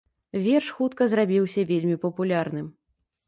Верш хутка зрабіўся вельмі папулярным.